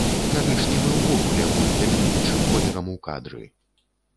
Карычневы ўвогуле быў дамінуючым колерам у кадры.